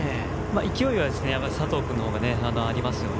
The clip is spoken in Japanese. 勢いは佐藤君の方がありますよね。